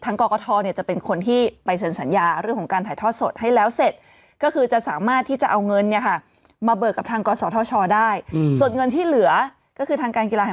ทางกศเนี่ยจะเป็นคนที่ไปเซ็นสัญญา